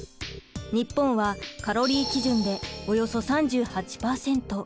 日本はカロリー基準でおよそ３８％。